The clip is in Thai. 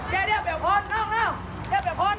ไม่มีไม้เหรอคะพี่มีมีแต่เปลี่ยงพ้นเปลี่ยงพ้น